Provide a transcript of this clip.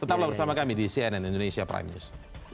tetaplah bersama kami di cnn indonesia prime news